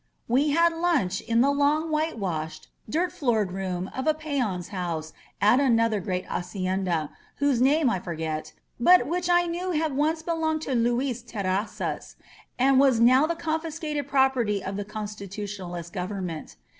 *' We had lunch in the long whitewashed, dirt floored room of a peon's house at another great hacienda, whose name I forget, but which I know had once belonged to Luis Terrazzas and was now the confiscated property of the Constitution alist government.